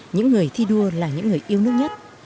những người thi đua là những người yêu nước nhất